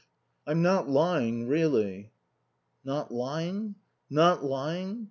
I'm not lying, really." Not lying. Not lying.